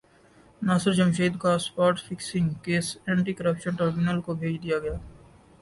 ناصر جمشید کا spot fixing case anti corruption tribunal کو بھیج دیاگیا